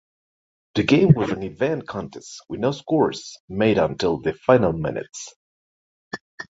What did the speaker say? The game was an even contest with no scores made until the final minutes.